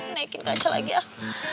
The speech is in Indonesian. naikin kaca lagi ah